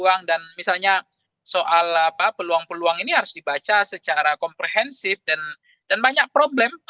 jadi itu adalah peluang dan misalnya soal apa peluang peluang ini harus dibaca secara komprehensif dan banyak problem